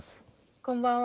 こんばんは。